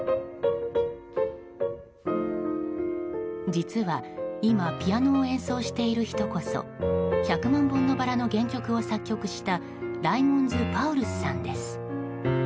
実は、今ピアノを演奏している人こそ「百万本のバラ」の原曲を作曲したライモンズ・パウルスさんです。